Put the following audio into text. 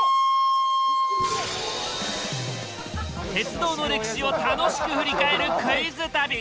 鉄道の歴史を楽しく振り返るクイズ旅！